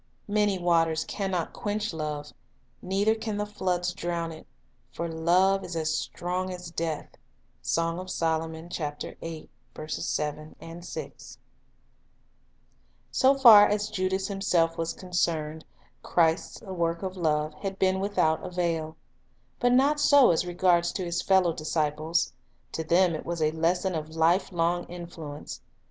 " Many waters can not quench love, Neither can the floods drown it;" " For love is strong as death." 1 So far as Judas himself was concerned, Christ's work of love had been without avail. But not so as regards his fellow disciples. To them it was a lesson of lifelong influence.